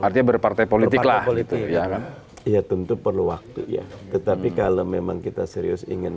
artinya berpartai politik lah ya tentu perlu waktu ya tetapi kalau memang kita serius ingin